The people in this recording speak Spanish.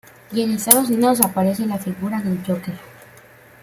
Y en Estados Unidos, aparece la figura del Joker.